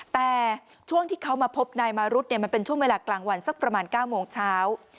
แต่ช่วงที่เขามาพบนายมารุธมันเป็นช่วงเวลากลางวันสักประมาณ๙โมงเช้า